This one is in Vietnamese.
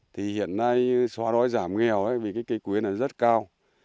thì hiện nay xóa rối giảm nghèo vì cây quế này rất cao